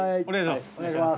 お願いします。